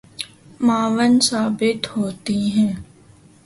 معاون ثابت ہوتی ہیں